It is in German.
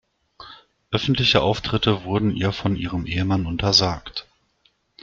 Öffentliche Auftritte wurden ihr von ihrem Ehemann untersagt.